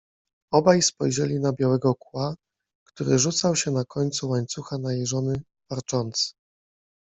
Obaj spojrzeli na Białego Kła, który rzucał się na końcu łańcucha najeżony, warczący